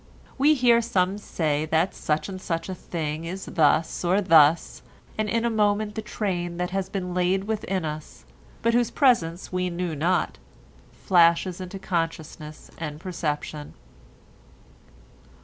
We hear some say that such and such a thing is thus or thus, and in a moment the train that has been laid within us, but whose presence we knew not, flashes into consciousness and perception.